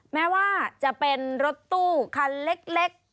แม้ว่าจะเป็นรถตู้คันเล็ก